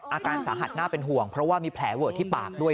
อาการสาหัสน่าเป็นห่วงเพราะว่ามีแผลเวอะที่ปากด้วย